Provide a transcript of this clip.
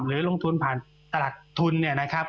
หรือลงทุนผ่านตลาดทุนเนี่ยนะครับ